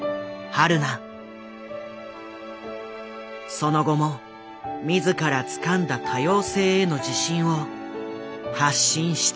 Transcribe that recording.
その後も自らつかんだ多様性への自信を発信し続けている。